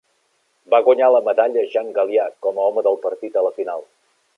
Va guanyar la Medalla Jean Galia com a home del partit a la final.